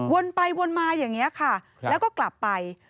ไปวนมาอย่างนี้ค่ะแล้วก็กลับไป